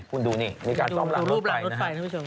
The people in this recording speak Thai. คุณดูนี่มีการซ่อมรางรถไฟนะครับ